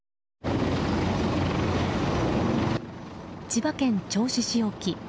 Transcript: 千葉県銚子市沖。